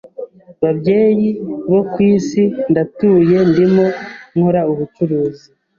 babyeyi bo ku isi ndatuye Ndimo nkora ubucuruzi